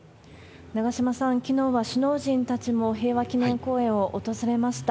長島さん、きのうは首脳陣たちも平和記念公園を訪れました。